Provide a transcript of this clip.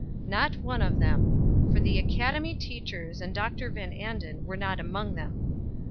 Not one of them; for the academy teachers and Dr. Van Anden were not among them.